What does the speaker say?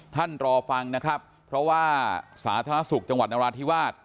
รอฟังนะครับเพราะว่าสาธารณสุขจังหวัดนราธิวาส